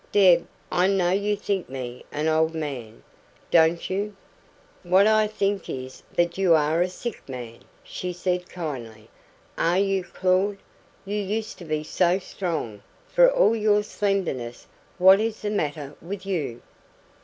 Deb, I know you think me an old man don't you?" "What I think is that you are a sick man," she said kindly. "Are you, Claud? You used to be so strong, for all your slenderness. What is the matter with you?"